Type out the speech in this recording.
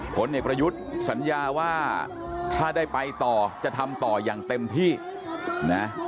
ผลเอกประยุทธ์สัญญาว่าถ้าได้ไปต่อจะทำต่ออย่างเต็มที่นะ